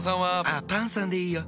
あっパンさんでいいよ。